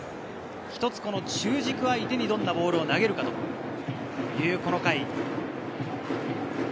一つ、中軸相手にどんなボールを投げるかというこの回。